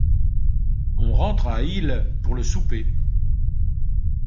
On rentre à Ille pour le souper.